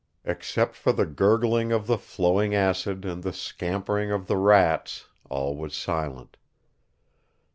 Except for the gurgling of the flowing acid and the scampering of the rats all was silent.